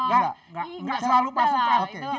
enggak selalu pasukan